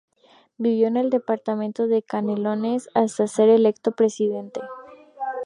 Vivió en el departamento de Canelones hasta ser electo presidente.